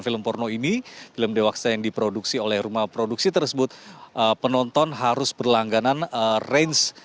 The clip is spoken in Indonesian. film porno ini film dewasa yang diproduksi oleh rumah produksi tersebut penonton harus berlangganan range